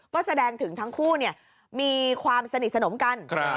ก็แสดงถึงทั้งคู่มีความสนิทสนมกัน